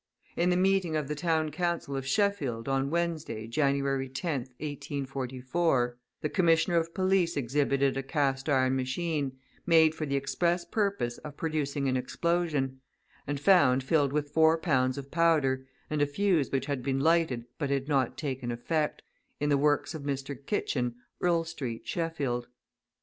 In the meeting of the Town Council of Sheffield, on Wednesday, January 10th, 1844, the Commissioner of Police exhibited a cast iron machine, made for the express purpose of producing an explosion, and found filled with four pounds of powder, and a fuse which had been lighted but had not taken effect, in the works of Mr. Kitchen, Earl Street, Sheffield.